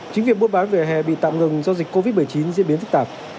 chính việc buôn bán vỉa hè bị tạm ngừng do dịch covid một mươi chín diễn biến tích tạp